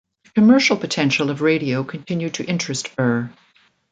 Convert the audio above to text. The commercial potential of radio continued to interest Burr.